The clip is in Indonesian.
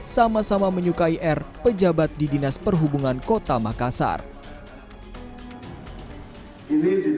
sama sama berbeda polisi memastikan motif pembunuhan ini adalah cinta segitiga baik korban maupun otak pembunuhan sama sama berbeda